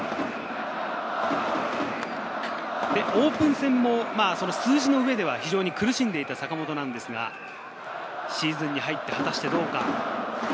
オープン戦も数字の上では苦しんでいた坂本ですが、シーズンに入って、果たしてどうか。